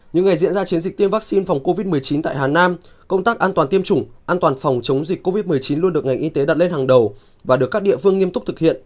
những ngày diễn ra chiến dịch tiêm vaccine phòng covid một mươi chín tại hà nam công tác an toàn tiêm chủng an toàn phòng chống dịch covid một mươi chín luôn được ngành y tế đặt lên hàng đầu và được các địa phương nghiêm túc thực hiện